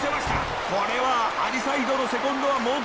これはアリサイドのセコンドは猛攻